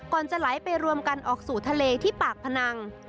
จะไหลไปรวมกันออกสู่ทะเลที่ปากพนัง